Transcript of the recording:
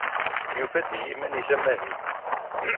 Yufa-d i yiman-is amahil.